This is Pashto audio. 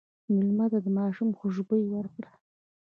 مېلمه ته د ماشوم خوشبويي ورکړه.